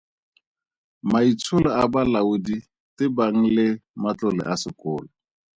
Maitsholo a Balaodi tebang le matlole a sekolo.